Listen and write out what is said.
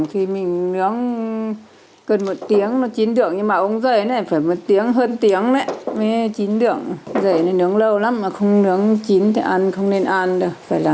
thì mình lẫn với nhau xong cho cũng cho rau mùi tẩu ấy